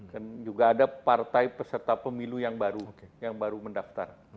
dan juga ada partai peserta pemilu yang baru yang baru mendaftar